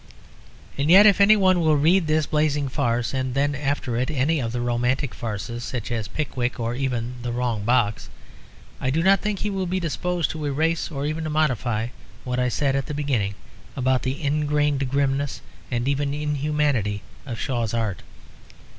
And yet if anyone will read this blazing farce and then after it any of the romantic farces, such as Pickwick or even The Wrong Box, I do not think he will be disposed to erase or even to modify what I said at the beginning about the ingrained grimness and even inhumanity of Shaw's art.